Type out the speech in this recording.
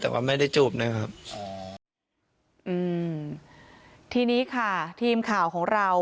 แต่ว่าไม่ได้จูบนะครับอ๋ออืมทีนี้ค่ะทีมข่าวของเรา